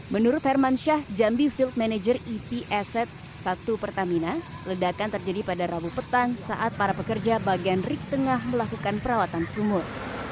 menurut herman syah jambi field manager ets satu pertamina ledakan terjadi pada rabu petang saat para pekerja bagian rik tengah melakukan perawatan sumur